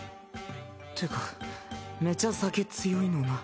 ってかめちゃ酒強いのな。